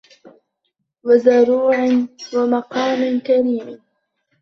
وَزُروعٍ وَمَقامٍ كَريمٍ